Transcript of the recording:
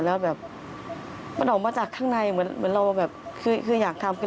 แล้วแบบมันออกมาจากข้างในเหมือนเราแบบคืออยากทำคือ